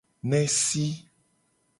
Nesi.